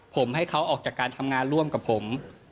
ผมให้เขาออกจากการทำงานร่วมกับผม